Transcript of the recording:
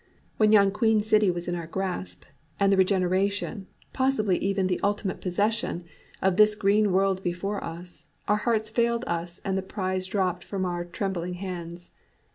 When yon queen city was in our grasp, and the regeneration, possibly even the ultimate possession, of this green world before us, our hearts failed us and the prize dropped from our trembling hands.